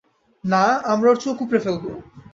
না, আমরা ওর চোখ উপড়ে ফেলব!